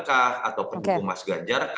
atau pendukung mas ganjar